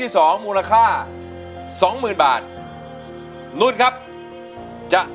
สู้ค่ะ